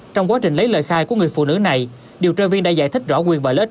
trong quá trình lấy lời khai của người phụ nữ này điều tra viên đã giải thích rõ quyền và lợi ích